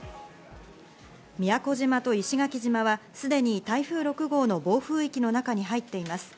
宮古島と石垣島はすでに台風６号の暴風域の中に入っています。